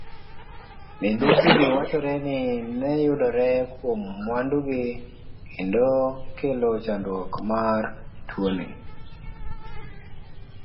Midhusigi wachore ni neyudore kuom mwandugi kendo kelo landruok mar tuoni.